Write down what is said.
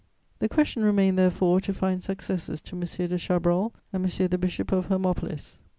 The question remained therefore to find successors to M. de Chabrol and M. the Bishop of Hermopolis.